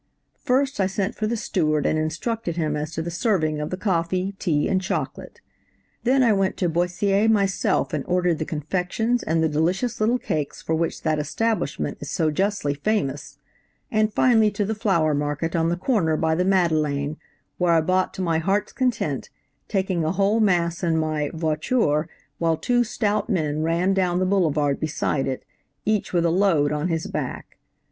"First I sent for the steward and instructed him as to the serving of the coffee, tea and chocolate; then I went to Boissiers myself and ordered the confections and the delicious little cakes for which that establishment is so justly famous, and finally to the flower market on the corner by the Madeleine, where I bought to my heart's content, taking a whole mass in my "voiture," while two stout men ran down the boulevard beside it, each with a load on his back.